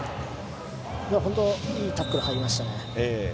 本当にいいタックルが入りました。